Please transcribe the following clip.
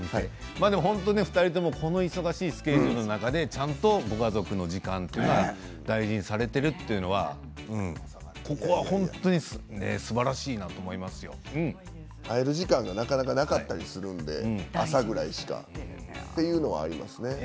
２人とも、この忙しいスケジュールの中で、ちゃんとご家族の時間とか大事にされているというのはここは本当にすばらしいなと会える時間がなかなかなかったりするので朝ぐらいというのはあります。